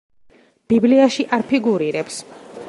ბიბლიაში არ ფიგურირებს.